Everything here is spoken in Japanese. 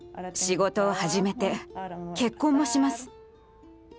仕事を始めて結婚もします。